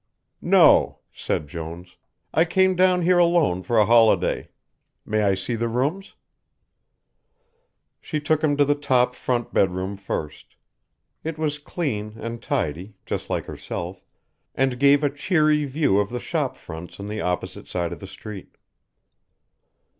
"No," said Jones. "I came down here alone for a holiday. May I see the rooms?" She took him to the top front bed room first. It was clean and tidy, just like herself, and gave a cheery view of the shop fronts on the opposite side of the street.